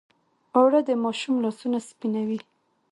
اوړه د ماشوم لاسونه سپینوي